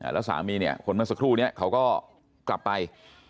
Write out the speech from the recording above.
แล้วสามีเนี่ยคนเมื่อสักครู่นี้เขาก็กลับไป